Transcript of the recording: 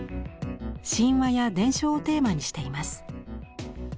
神話や伝承をテーマにしています。